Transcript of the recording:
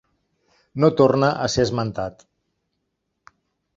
No torna a ser esmentat.